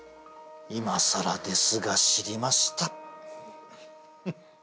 いまさらですが知りました。